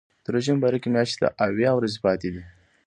د روژې مبارکې میاشتې ته اویا ورځې پاتې دي.